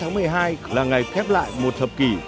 ngày ba mươi một tháng một mươi hai là ngày khép lại một thập kỷ